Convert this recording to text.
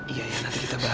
iya ya nanti kita berbicara